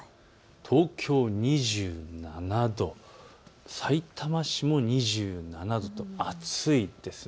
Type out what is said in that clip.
東京は２７度、さいたま市も２７度と暑いです。